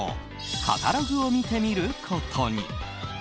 カタログを見てみることに。